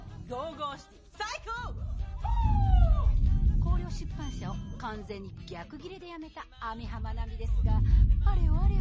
光陵出版社を完全に逆ギレで辞めた網浜奈美ですがあれよ